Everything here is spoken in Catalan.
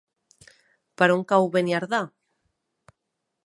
Per on cau Beniardà?